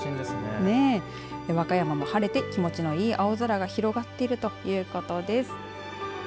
和歌山も晴れて気持ちのいい青空が広がっているということです。